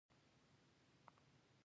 د اضطراب لپاره باید څه وکړم؟